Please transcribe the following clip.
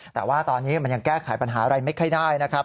แต่ว่าตอนนี้มันยังแก้ไขปัญหาอะไรไม่ค่อยได้นะครับ